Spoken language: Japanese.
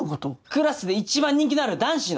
クラスで一番人気のある男子の！